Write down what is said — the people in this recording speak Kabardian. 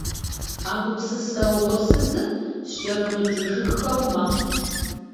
А гупсысэ угъурсызыр скӀэрымыкӀыжыххэ мэхъу.